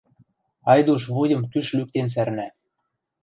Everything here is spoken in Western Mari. Айдуш вуйым кӱш лӱктен сӓрнӓ.